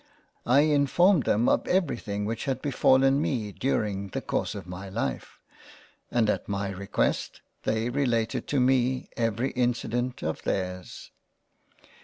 I informed them of everything which had befallen me during the course of my life, and at my request they related to me every incident of theirs.